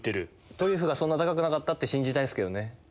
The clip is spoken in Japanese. トリュフがそんな高くなかったって信じたいです。